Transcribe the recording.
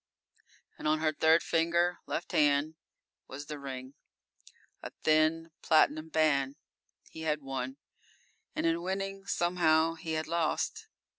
And on her third finger, left hand, was the ring a thin, platinum band. He had won, and in winning somehow he had lost.